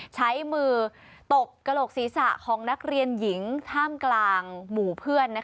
ใช้มือตบกระโหลกศีรษะของนักเรียนหญิงท่ามกลางหมู่เพื่อน